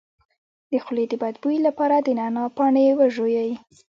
د خولې د بد بوی لپاره د نعناع پاڼې وژويئ